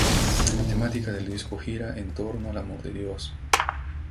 La temática del disco gira en torno al amor de Dios.